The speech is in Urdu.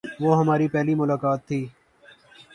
وہ ہماری پہلی ملاقات تھی۔